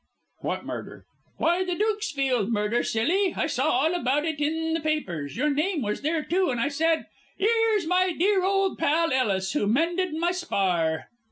"What murder?" "Why, the Dukesfield murder, silly! I saw all about it in the papers; your name was there, too, and I said: 'Here's my dear old pal Ellis, who mended my spar.'"